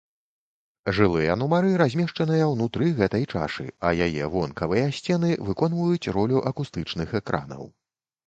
Жылыя нумары размешчаныя ўнутры гэтай чашы, а яе вонкавыя сцены выконваюць ролю акустычных экранаў.